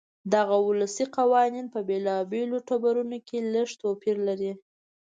دغه ولسي قوانین په بېلابېلو ټبرونو کې لږ توپیر لري.